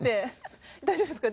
大丈夫ですか？